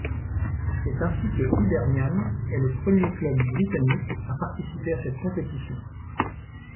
C'est ainsi que Hibernian est le premier club britannique à participer à cette compétition.